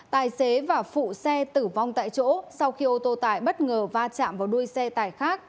tài xế và phụ xe tử vong tại chỗ sau khi ô tô tải bất ngờ va chạm vào đuôi xe tải khác